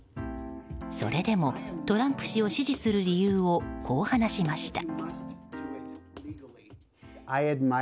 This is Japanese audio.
それでも、トランプ氏を支持する理由をこう話しました。